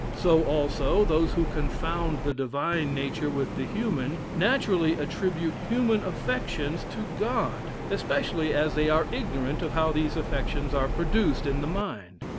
So, also, those who confound the divine nature with the human, naturally attribute human affections to God, especially as they are ignorant of how these affections are produced in the mind.